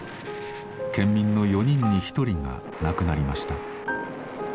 県民の４人に１人が亡くなりました。